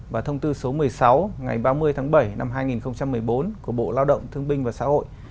và thông tư số một mươi sáu ngày ba mươi tháng bảy năm hai nghìn một mươi bốn của bộ lao động thương binh và xã hội